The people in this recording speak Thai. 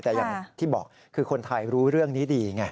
แต่อย่างที่บอกคือคนไทยรู้เรื่องนี้ดีไง